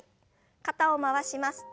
肩を回します。